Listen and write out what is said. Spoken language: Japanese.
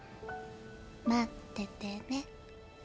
待っててね。